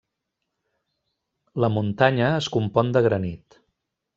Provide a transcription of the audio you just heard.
La muntanya es compon de granit.